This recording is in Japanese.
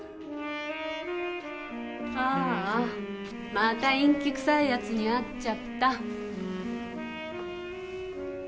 ああまた陰気くさいヤツに会っちゃった